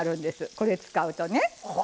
これを使うとね。